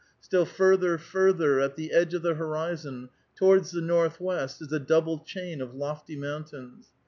Still further, further, at the edge of the horizon, towards the north west, is a double chain of lofty mountains.